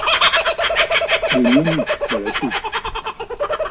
Il est mieux mis, voilà tout!